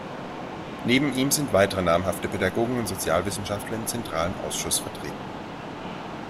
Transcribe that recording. Neben ihm sind weitere namhafte Pädagogen und Sozialwissenschaftler im zentralen Ausschuss vertreten.